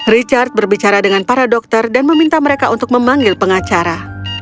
richard berbicara dengan para dokter dan meminta mereka untuk memanggil pengacara